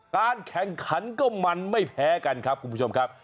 การแข่งขันก็มันไม่แพ้กันครับคุณผู้ชมครับ